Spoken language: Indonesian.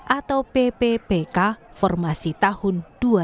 atau pppk formasi tahun dua ribu dua puluh